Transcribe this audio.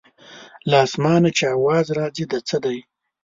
له اسمانه چې اواز راځي د څه دی.